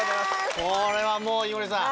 これはもう井森さん。